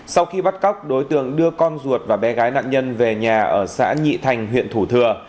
sau khi bắt cóc đối tượng đưa con ruột và bé gái nạn nhân về nhà ở xã nhị thành huyện thủ thừa